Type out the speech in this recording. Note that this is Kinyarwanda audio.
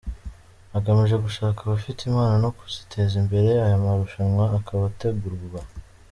agamije gushaka abafite impano no kuziteza imbere aya marushanwa akaba ategurwa.